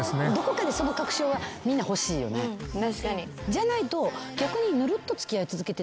じゃないと逆に。